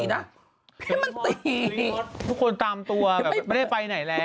พี่มะกอดตามตัวไม่ได้ไปไหนแล้ว